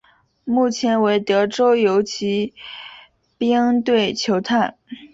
目前为德州游骑兵队球探。